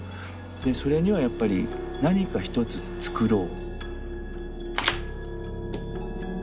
それにはやっぱり何かひとつ作ろう。